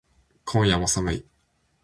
今夜も寒い